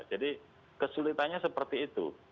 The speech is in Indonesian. jadi kesulitanya seperti itu